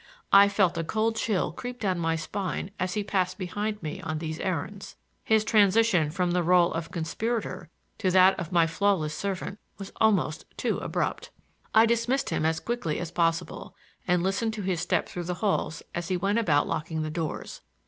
I felt a cold chill creep down my spine as he passed behind me on these errands. His transition from the rôle of conspirator to that of my flawless servant was almost too abrupt. I dismissed him as quickly as possible, and listened to his step through the halls as he went about locking the doors.